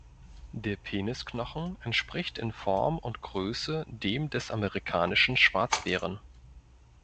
Der Penisknochen entspricht in Form und Größe dem des amerikanischen Schwarzbären.